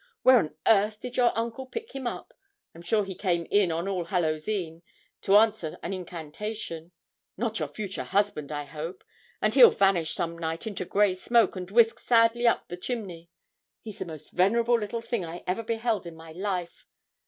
Where on earth did your uncle pick him up? I'm sure he came in on All Hallows E'en, to answer an incantation not your future husband, I hope and he'll vanish some night into gray smoke, and whisk sadly up the chimney. He's the most venerable little thing I ever beheld in my life.